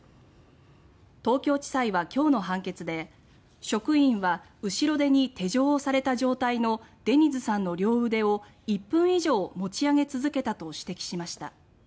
東京地裁は今日の判決で職員は後ろ手に手錠をされた状態のデニズさんの両腕を１分以上持ち上げ続けたと指摘しました。